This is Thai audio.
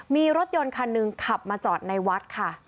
มีรถยนต์คันหนึ่งขับมาจอดในวัดค่ะ